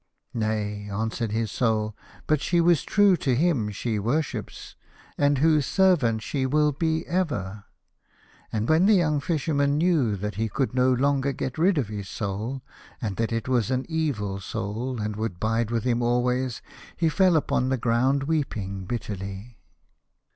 "Nay," answered his Soul, "but she was true to H im she worships, and whose servant she will be ever." And when the young Fisherman knew that he could no longer get rid of his Soul, and that it was an evil Soul and would abide with him always, he fell upon the ground weeping bitterly.